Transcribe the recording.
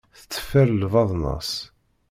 Tetteffer lbaḍna-s.